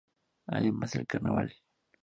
Además el carnaval.